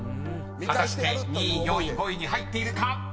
［果たして２位４位５位に入っているか］